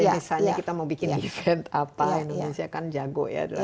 misalnya kita mau bikin event apa indonesia kan jago ya